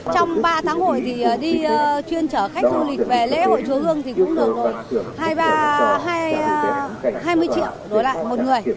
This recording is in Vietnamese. trong ba tháng hội thì đi chuyên trở khách du lịch về lễ hội chùa hương thì cũng được hai mươi triệu đối lại một người